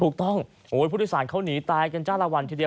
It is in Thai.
ถูกต้องโอ้โหผู้โดยสารเขานีตายกันจ้าละวันทีเดียว